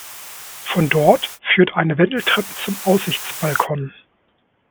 Von dort führt eine Wendeltreppe zum Aussichtsbalkon.